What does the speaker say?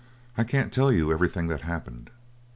I can't tell you everything that happened.